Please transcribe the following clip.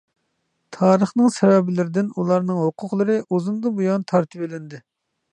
تارىخنىڭ سەۋەبلىرىدىن، ئۇلارنىڭ ھوقۇقلىرى ئۇزۇندىن بۇيان تارتىۋېلىندى.